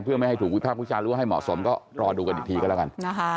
เพื่อไม่ให้ถูกวิภาควิจารณ์รู้ให้เหมาะสมก็รอดูกันอีกทีก็แล้วกัน